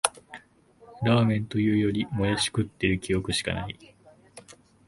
ラーメンというより、もやし食ってる記憶しかない